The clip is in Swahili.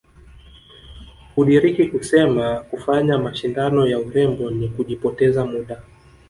Hudiriki kusema kufanya mashindano ya urembo ni kujipoteza muda